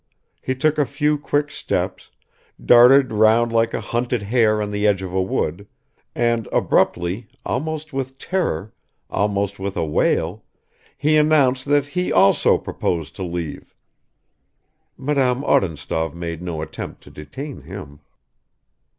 He took a few quick steps, darted round like a hunted hare on the edge of a wood, and abruptly, almost with terror, almost with a wail, he announced that he also proposed to leave. Madame Odintsov made no attempt to detain him.